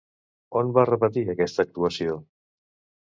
On va repetir aquesta actuació?